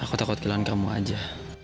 aku takut kehilangan kamu aja